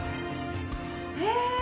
へえ！